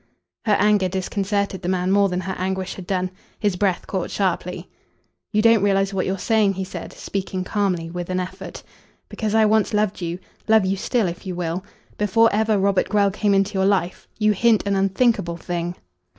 Her anger disconcerted the man more than her anguish had done. His breath caught sharply. "You don't realise what you are saying," he said, speaking calmly with an effort. "Because I once loved you love you still if you will before ever Robert Grell came into your life, you hint an unthinkable thing."